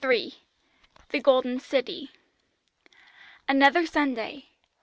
III THE GOLDEN CITY Another Sunday.